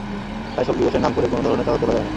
তাই শোক দিবসের নাম করে কোনো ধরনের চাঁদা তোলা যাবে না।